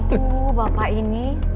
aduh bapak ini